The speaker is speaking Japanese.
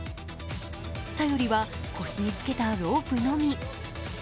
頼りは腰につけたロープのみ。